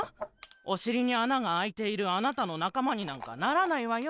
おしりにあながあいているあなたのなかまになんかならないわよ。